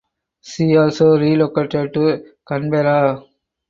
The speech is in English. She also relocated to Canberra.